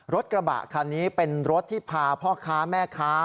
รถกระบะคันนี้เป็นรถที่พาพ่อค้าแม่ค้า